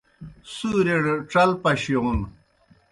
سُوریْڑ ڇل پشِیون